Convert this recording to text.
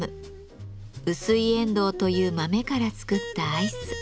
ウスイエンドウという豆から作ったアイス。